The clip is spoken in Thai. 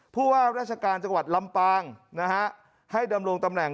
ผู้ว่าราชการจังหวัดลำปางนะฮะให้ดำรงตำแหน่ง